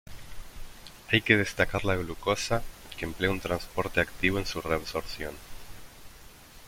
Hay que destacar la glucosa, que emplea un transporte activo en su reabsorción.